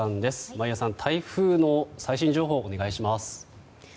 眞家さん、台風の最新情報をお願いします。